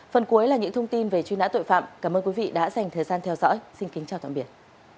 phần cuối là những thông tin về truy nã tội phạm cảm ơn quý vị đã dành thời gian theo dõi xin kính chào tạm biệt